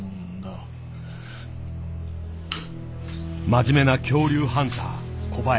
真面目な恐竜ハンター小林。